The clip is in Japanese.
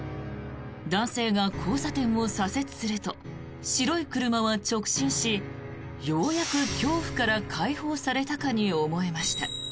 男性が交差点を左折すると白い車は直進しようやく恐怖から解放されたかに思えました。